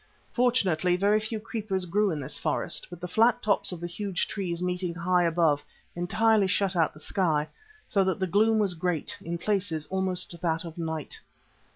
Fortunately very few creepers grew in this forest, but the flat tops of the huge trees meeting high above entirely shut out the sky, so that the gloom was great, in places almost that of night.